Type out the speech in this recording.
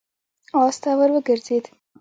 آس ته ور وګرځېد.